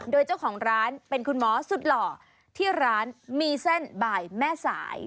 โดยเจ้าของร้านเป็นคุณหมอสุดหล่อที่ร้านมีเส้นบายแม่สาย